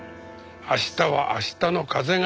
明日は明日の風が吹く。